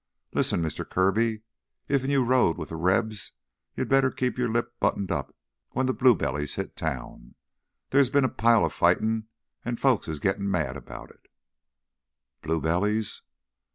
Listen, Mister Kirby, iffen you rode with th' Rebs, you better keep your lip buttoned up when th' Blue Bellies hit town. There's been a pile of fightin' an' folks is gittin' mad 'bout it—" "Blue Bellies?"